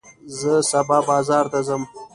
زه سبا بازار ته ځم.